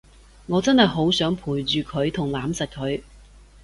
我真係好想陪住佢同攬實佢